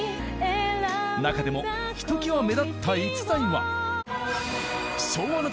中でもひときわ目立った逸材は。